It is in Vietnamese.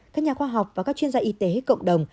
các nhà khoa học và các chuyên gia y tế cộng đồng